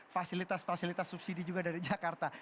fasilitas fasilitas subsidi juga dari jakarta